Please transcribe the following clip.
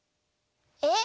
えっ？